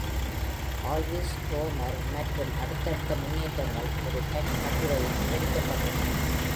ஆல்விஸ் ஸ்டோர்மர் மற்றும் அடுத்தடுத்த முன்னேற்றங்கள் ஒரு தனி கட்டுரையில் விவரிக்கப்பட்டுள்ளன.